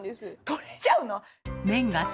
取れちゃうの？